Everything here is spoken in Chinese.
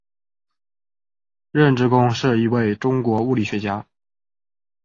任之恭是一位中国物理学家。